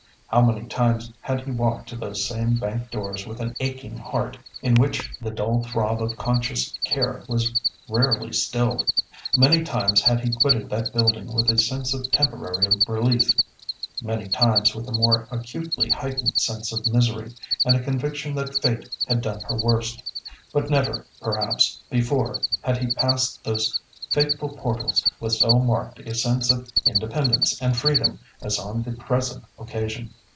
How many times had he walked to those same bank doors with an aching heart, in which the dull throb of conscious care was rarely stilled! Many times had he quitted that building with a sense of temporary relief; many times with a more acutely heightened sense of misery, and a conviction that Fate had done her worst. But never, perhaps, before had he passed those fateful portals with so marked a sense of independence and freedom as on the present occasion.